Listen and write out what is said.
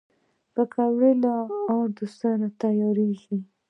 پکورې له آردو سره تیارېږي